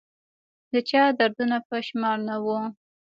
د چا دردونه په شمار نه وه